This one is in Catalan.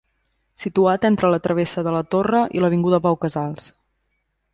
Situat entre la travessa de la Torre i l'avinguda Pau Casals.